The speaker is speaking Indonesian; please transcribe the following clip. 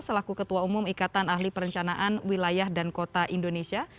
selaku ketua umum ikatan ahli perencanaan wilayah dan kota indonesia